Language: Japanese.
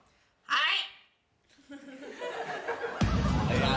はい。